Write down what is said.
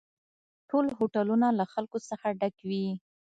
ټول هوټلونه له خلکو څخه ډک وي